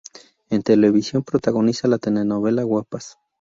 En televisión protagoniza la telenovela, "Guapas".